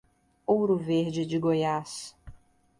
Ouro Verde de Goiás